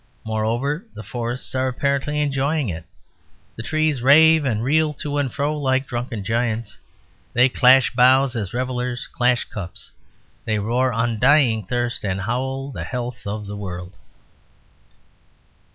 Moreover, the forests are apparently enjoying it: the trees rave and reel to and fro like drunken giants; they clash boughs as revellers clash cups; they roar undying thirst and howl the health of the world.